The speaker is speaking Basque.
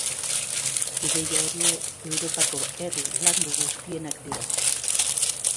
Ideia horiek Europako herri landu guztienak dira.